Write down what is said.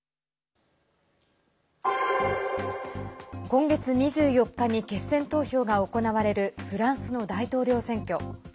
今月２４日に決選投票が行われるフランスの大統領選挙。